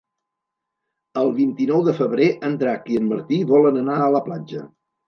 El vint-i-nou de febrer en Drac i en Martí volen anar a la platja.